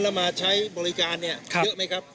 แล้วมาใช้บริการเนี่ยเยอะไหมครับ